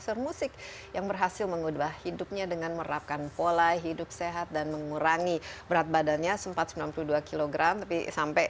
sempat sembilan puluh dua kg tapi sampai